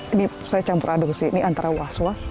ini saya campur aduk sih ini antara was was